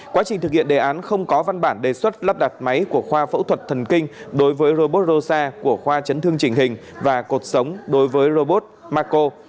quá trình thực hiện đề án không có văn bản đề xuất lắp đặt máy của khoa phẫu thuật thần kinh đối với robot rose của khoa chấn thương chỉnh hình và cột sống đối với robot maco